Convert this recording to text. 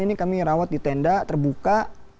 ini kami rawat di tenda terbuka